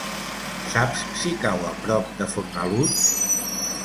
Saps si cau a prop de Fornalutx?